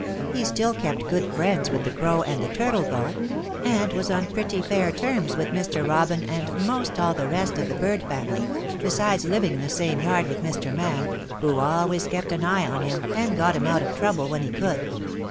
He still kept good friends with the Crow and the Turtle, though, and was on pretty fair terms with Mr. Robin and most all the rest of the Bird family, besides living in the same yard with Mr. Man, who always kept an eye on him and got him out of trouble when he could.